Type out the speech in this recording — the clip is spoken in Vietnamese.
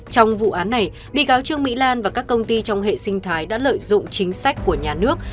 trong vụ án này bị cáo trương mỹ lan và các công ty trong hệ sinh thái đã lợi dụng chính sách của nhà nước